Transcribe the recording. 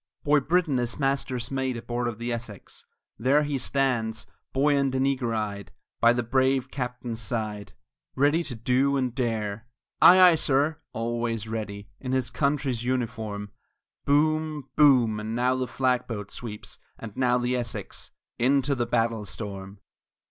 II Boy Brittan is master's mate aboard of the Essex There he stands, buoyant and eager eyed, By the brave captain's side; Ready to do and dare. Aye, aye, sir! always ready In his country's uniform. Boom! Boom! and now the flag boat sweeps, and now the Essex, Into the battle storm!